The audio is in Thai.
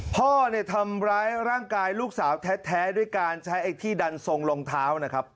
พ่อเนี่ยทำร้ายร่างกายลูกสาวแท้ด้วยการใช้ไอ้ที่ดันทรงรองเท้านะครับ